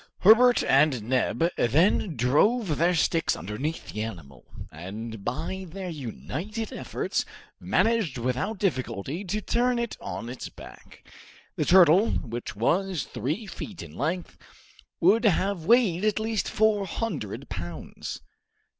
Herbert and Neb then drove their sticks underneath the animal, and by their united efforts managed without difficulty to turn it on its back. The turtle, which was three feet in length, would have weighed at least four hundred pounds.